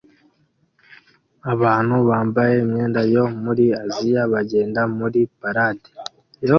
Abantu bambaye imyenda yo muri Aziya bagenda muri parade